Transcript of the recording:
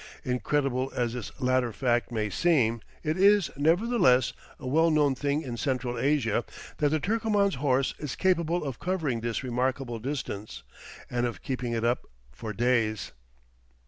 (Incredible as this latter fact may seem, it is, nevertheless, a well known thing in Central Asia that the Turkoman's horse is capable of covering this remarkable distance, and of keeping it up for days.)